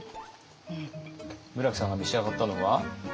村木さんが召し上がったのは？